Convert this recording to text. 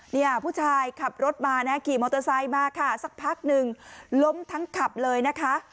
เนี่ยผู้ชายขับรถมานะขี่มอเตอร์ไซค์มาค่ะสักพักหนึ่งล้มทั้งขับเลยนะคะ